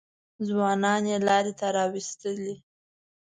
ځوانان یې لارې ته راوستلي.